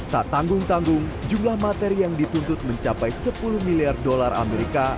tak tanggung tanggung jumlah materi yang dituntut mencapai sepuluh miliar dolar amerika